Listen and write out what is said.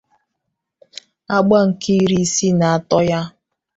àgbà nke iri isii na atọ ya.